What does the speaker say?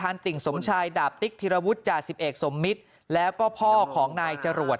ผมกินผมหลุยยักษ์แต่ผมไม่เคยคล้ายครับ